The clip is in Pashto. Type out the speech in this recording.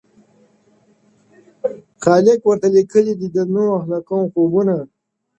خالق ورته لیکلي دي د نوح د قوم خوبونه٫